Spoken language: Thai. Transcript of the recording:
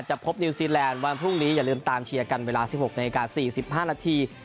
พบนิวซีแลนด์วันพรุ่งนี้อย่าลืมตามเชียร์กันเวลา๑๖นาที๔๕นาที